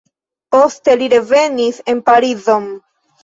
Poste li revenis en Parizon.